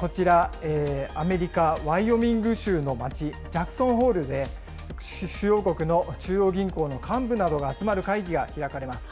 こちら、アメリカ・ワイオミング州の町、ジャクソンホールで、主要国の中央銀行の幹部などが集まる会議が開かれます。